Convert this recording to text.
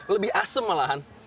lebih asem malahan